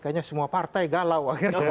kayaknya semua partai galau